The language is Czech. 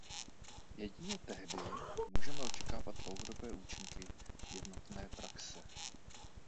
Jedině tehdy můžeme očekávat dlouhodobé účinky jednotné praxe.